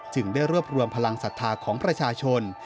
ได้รวบรวมพลังศรัทธาของประชาชน